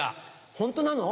ホントなの？